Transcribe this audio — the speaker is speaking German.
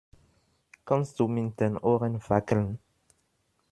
Kannst du mit den Ohren wackeln?